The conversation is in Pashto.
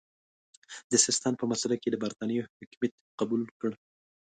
د سیستان په مسئله کې یې د برټانیې حکمیت قبول کړ.